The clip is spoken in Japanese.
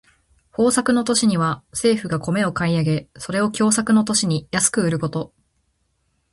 豊作の年には政府が米を買い上げ、それを凶作の年に安く売ること。